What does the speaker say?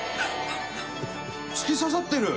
突き刺さってる！